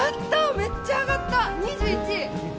めっちゃ上がった２１位！